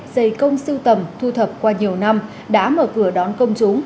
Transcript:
dây công sưu tầm thu thập qua nhiều năm đã mở cửa đón công chúng